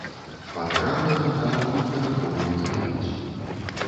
Пад храм ён аддаў двухпавярховую камяніцу.